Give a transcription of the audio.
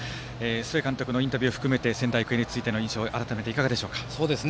須江監督のインタビュー含めて仙台育英についての印象改めて、いかがですか？